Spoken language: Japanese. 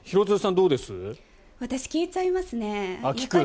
私、聞いちゃいますね。